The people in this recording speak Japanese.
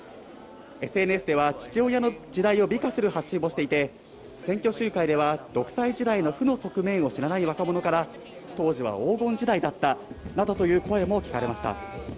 ＳＮＳでは、父親の時代を美化する発信もしていて、選挙集会では独裁時代の負の側面を知らない若者から、当時は黄金時代だったなどという声も聞かれました。